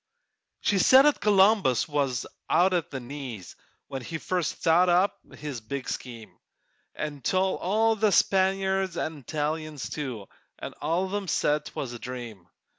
She said 'at Columbus was out at the knees When he first thought up his big scheme, An' told all the Spaniards 'nd Italians, too, An' all of 'em said 'twas a dream.